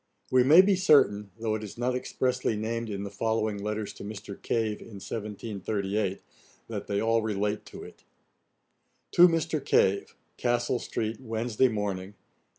] We may be certain, though it is not expressly named in the following letters to Mr. Cave, in 1738, that they all relate to it: 'To MR. CAVE. 'Castle street, Wednesday Morning.